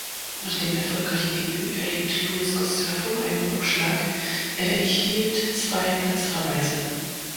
Nach dem erfolgreichen Debüt erlebte Luiz Gustavo einen Rückschlag; er erhielt zwei Platzverweise.